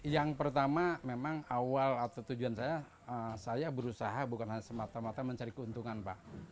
yang pertama memang awal atau tujuan saya saya berusaha bukan hanya semata mata mencari keuntungan pak